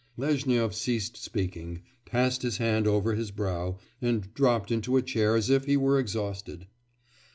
Lezhnyov ceased speaking, passed his hand over his brow, and dropped into a chair as if he were exhausted.